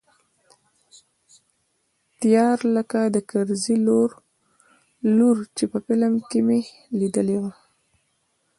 تيار لکه د کرزي لور چې په فلم کښې مې ليدلې وه.